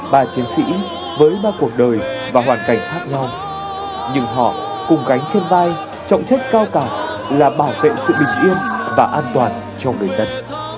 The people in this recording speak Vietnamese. ba chiến sĩ với ba cuộc đời và hoàn cảnh khác nhau nhưng họ cùng gánh trên vai trọng trách cao cả là bảo vệ sự bình yên và an toàn cho người dân